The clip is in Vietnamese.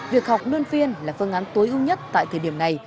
việc học đơn phiên là phương án tối ưu nhất tại thời điểm này